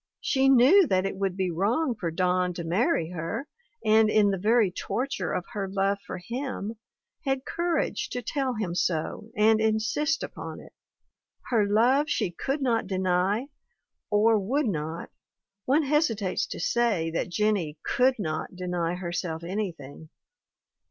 She knew that it would be wrong for Don to marry her and, in the very torture of her love for him, had courage to tell him so and insist upon it. Her love she could not deny, or would not ; one hesitates to say that Jen nie could not deny herself anything.